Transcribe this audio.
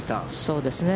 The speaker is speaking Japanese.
そうですね。